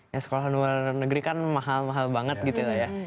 ya sekolah luar negeri kan mahal mahal banget gitu ya